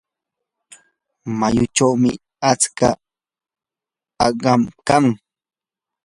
mayuchaw atska aqum kan.